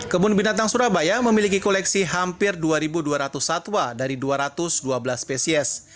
kebun binatang surabaya memiliki koleksi hampir dua dua ratus satwa dari dua ratus dua belas spesies